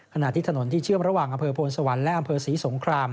ขณะที่ถนนที่เชื่อมระหว่างอำเภอโพนสวรรค์และอำเภอศรีสงคราม